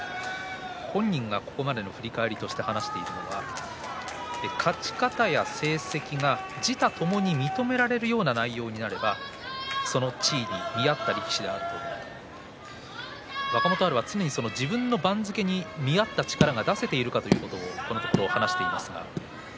本人がここまでを振り返りとして話しているのは勝ち方、成績が自他ともに認められるような内容になればその地位に見合った力士になるともともとは常に自分の番付に見合った力が出せているかということをこのところ話しています。